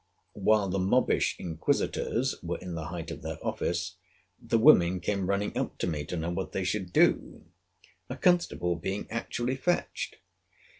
While the mobbish inquisitors were in the height of their office, the women came running up to me, to know what they should do; a constable being actually fetched.